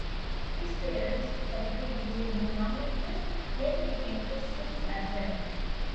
His parents, who had previously been non-religious, later became Christians as well.